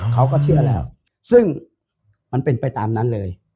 เขาก็เชื่อแล้วซึ่งมันเป็นไปตามนั้นเลย